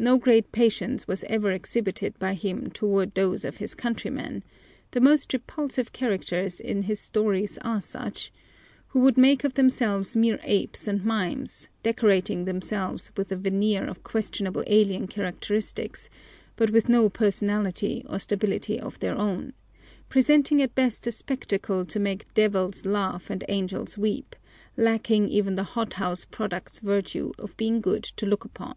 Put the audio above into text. No great patience was ever exhibited by him toward those of his countrymen the most repulsive characters in his stories are such who would make of themselves mere apes and mimes, decorating themselves with a veneer of questionable alien characteristics, but with no personality or stability of their own, presenting at best a spectacle to make devils laugh and angels weep, lacking even the hothouse product's virtue of being good to look upon.